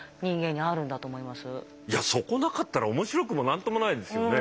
いやそこなかったら面白くも何ともないですよね。